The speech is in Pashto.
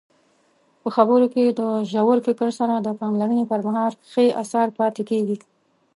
په خبرو کې د ژور فکر سره د پاملرنې پرمهال ښې اثار پاتې کیږي.